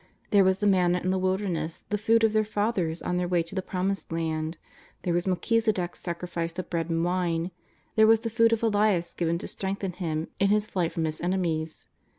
There was the manna in the wilderness, the food of their fathers on their way to the Promised Land. There was Melchisedech's sac rifice of bread and wine. There was the food of Elias given to strengthen him in his flight from his enemies.